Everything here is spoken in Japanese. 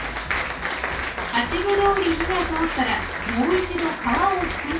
八分どおり火が通ったらもう一度皮を下にして焼きます。